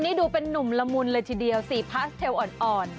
นี่ดูเป็นนุ่มละมุนเลยทีเดียวสีพาสเทลอ่อน